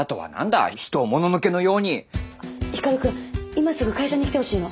今すぐ会社に来てほしいの。